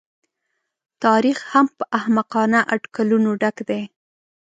تاریخ هم په احمقانه اټکلونو ډک دی.